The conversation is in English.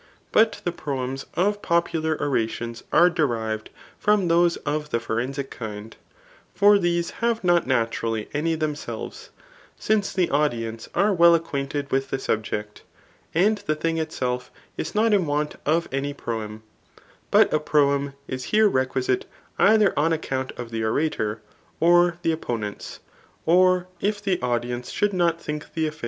But the proems of popular ora tions are derived from those of the forensic kind ; for these have not naturally any themselves; since the audience are well acquainted with the subject. And the thing itself is not in want of any proem, but a proem is here requisite either on account of the orator or the opponents, or if the audience should not think the affair ' viz.